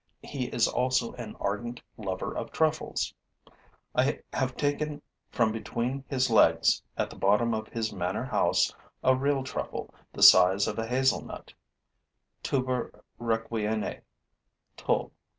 He is also an ardent lover of truffles. I have taken from between his legs, at the bottom of his manor house, a real truffle the size of a hazelnut (Tuber Requienii, TUL.).